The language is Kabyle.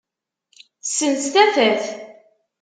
Ssens tafat!